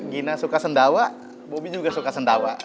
gina suka sendawa bobi juga suka sendawa